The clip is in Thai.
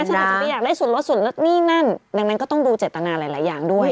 ฉันอาจจะไปอยากได้ส่วนลดส่วนลดนี่นั่นดังนั้นก็ต้องดูเจตนาหลายอย่างด้วย